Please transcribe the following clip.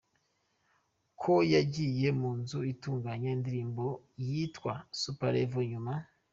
ko yagiye mu nzu itunganya indirimbo yitwa "The Super Level, nyuma.